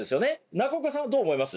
中岡さんどう思います？